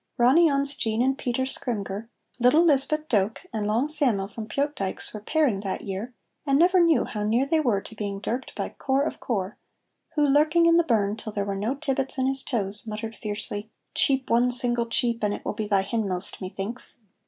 Ronny On's Jean and Peter Scrymgeour, little Lisbeth Doak and long Sam'l from Pyotdykes were pairing that year, and never knew how near they were to being dirked by Corp of Corp, who, lurking in the burn till there were no tibbits in his toes, muttered fiercely, "Cheep one single cheep, and it will be thy hinmost, methinks!"